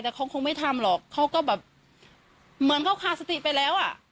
แต่เขาคงไม่ทำหรอกเขาก็แบบเหมือนเขาขาดสติไปแล้วอ่ะ